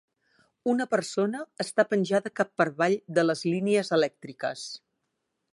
Una persona està penjada cap per avall de les línies elèctriques.